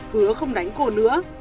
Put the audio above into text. hứa không đánh cô nữa